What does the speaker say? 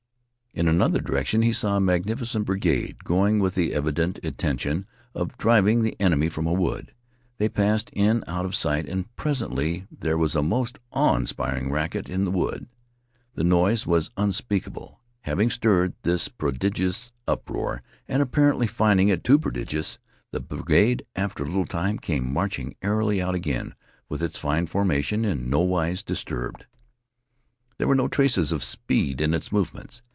In another direction he saw a magnificent brigade going with the evident intention of driving the enemy from a wood. They passed in out of sight and presently there was a most awe inspiring racket in the wood. The noise was unspeakable. Having stirred this prodigious uproar, and, apparently, finding it too prodigious, the brigade, after a little time, came marching airily out again with its fine formation in nowise disturbed. There were no traces of speed in its movements.